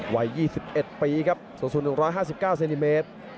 วัยยี่สิบเอ็ดปีครับส่วนสุดหนึ่งร้อยห้าสิบเก้าเซนติเมตร